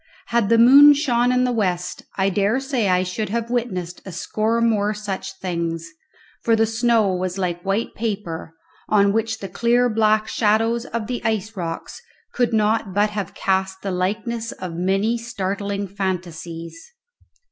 Had the moon shone in the west I dare say I should have witnessed a score more such things, for the snow was like white paper, on which the clear black shadows of the ice rocks could not but have cast the likeness of many startling phantasies.